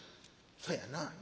『そやな』。